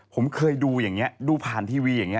ผมเคยดูอย่างนี้ดูผ่านทีวีอย่างนี้